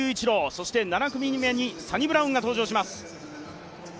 そして７組目にサニブラウンが登場します。